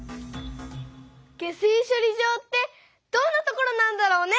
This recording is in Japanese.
下水しょり場ってどんなところなんだろうね？